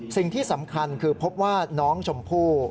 สิ่งที่สำคัญคือพบว่าน้องชมพู่